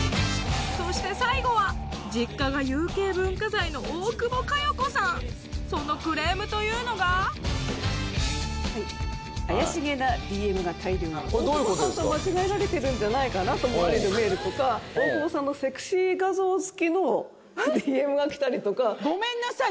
そして最後は実家が有形文化財の大久保佳代子さんそのクレームというのが間違えられてるんじゃないかなと思われるメールとか大久保さんのセクシー画像付きのＤＭが来たりとか。